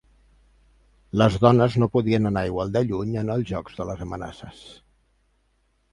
Les dones no podien anar igual de lluny en els jocs de les amenaces.